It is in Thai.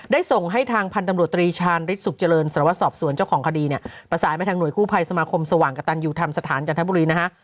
ส่งให้ทางพันธุ์ตำรวจตรีชาญฤทธสุขเจริญสารวัตรสอบสวนเจ้าของคดีเนี่ยประสานไปทางหน่วยกู้ภัยสมาคมสว่างกระตันยูธรรมสถานจันทบุรีนะฮะ